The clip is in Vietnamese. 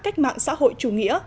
cách mạng xã hội chủ nghĩa